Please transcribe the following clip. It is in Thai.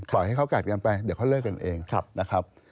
ให้เขากัดกันไปเดี๋ยวเขาเลิกกันเองนะครับ